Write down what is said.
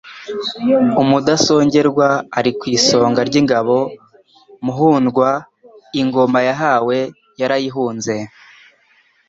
Umudasongerwa ari ku isonga ry'ingabo, Muhundwa ingoma yahawe yarayihunze*